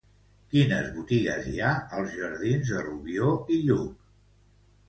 Quines botigues hi ha als jardins de Rubió i Lluch?